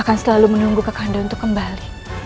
akan selalu menunggu kakanda untuk kembali